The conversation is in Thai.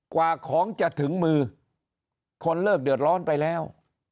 กว่าของจะถึงมือคนเลิกเดือดร้อนไปแล้ว